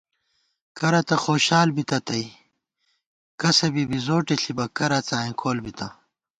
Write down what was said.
کرہ تہ خوشال بِتہ تَئ، کسہ بی بِزوٹے ݪِبہ کرہ څائیں کول بِتہ